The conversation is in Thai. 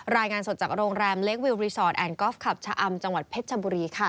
รายงานสดจากโรงแรมเล็กวิวรีสอร์ทแอนดอล์ฟคลับชะอำจังหวัดเพชรชบุรีค่ะ